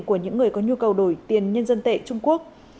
của những người có nhu cầu đổi tiền nhân dân tệ trung quốc